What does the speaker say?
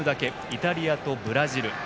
イタリアとブラジル。